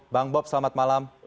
bang bob selamat malam